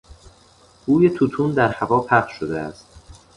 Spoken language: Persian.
بوی توتون در هوا پخش شده است.